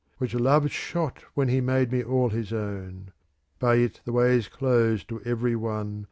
Which Love shot when he made me all his own: By it the way is closed to every one.